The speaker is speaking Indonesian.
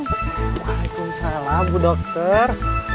waalaikumsalam bu dokter